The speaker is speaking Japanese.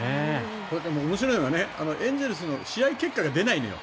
面白いのはエンゼルスの試合結果が出ないのよ。